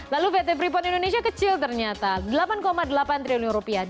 lalu pt freeport indonesia kecil ternyata delapan delapan triliun rupiah